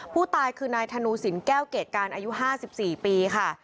ผู้ตายคือนายธนูสินแก้วเกรดการอายุ๕๔ปีค่ะ